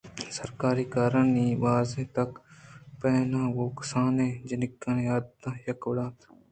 سرکاری کارانی بازیں تک ءُپہنات گوں کسانیں جنکانی عادتاں یک وڑ اِنت